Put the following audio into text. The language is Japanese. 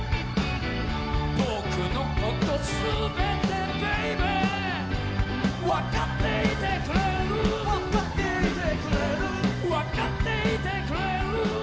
「僕の事すべてＢａｂｙ」「わかっていてくれる」「わかっていてくれる」「わかっていてくれる」